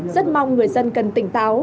rất mong người dân cần tỉnh táo